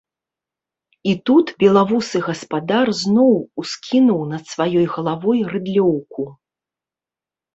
І тут белавусы гаспадар зноў ускінуў над сваёй галавой рыдлёўку.